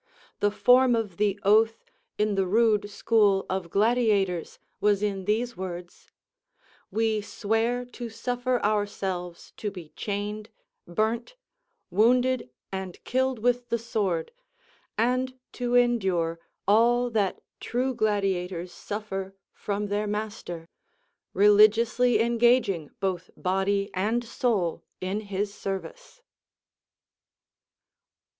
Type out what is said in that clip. The form of the oath in the rude school of gladiators was in these words: "We swear to suffer ourselves to be chained, burnt, wounded, and killed with the sword, and to endure all that true gladiators suffer from their master, religiously engaging both body and soul in his service."